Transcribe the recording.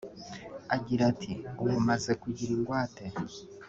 Agira ati “Ubu maze kugira ingwate